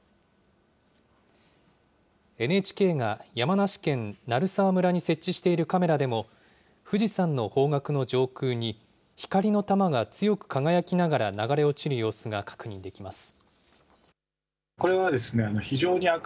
ＮＨＫが山梨県鳴沢村に設置しているカメラでも、富士山の方角の上空に光の球が強く輝きながら流れ落ちる様子が確認できます。